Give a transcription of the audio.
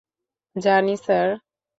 জানি, স্যার।